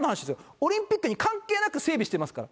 オリンピックに関係なく整備してますから。